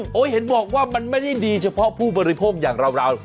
มาวิจัยเป็นอย่างไม่ดีเฉพาะผู้บริโภคอย่างเราราวเรา